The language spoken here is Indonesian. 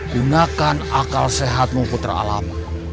gunakan akal sehatmu putra alam